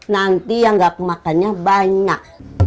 nanti yang gak kemakannya banyak